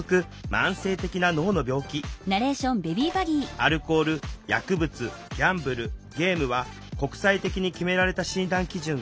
アルコール薬物ギャンブルゲームは国際的に決められた診断基準があるわ。